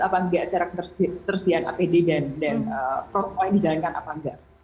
apa nggak secara ketersediaan apd dan protokolnya dijalankan apa nggak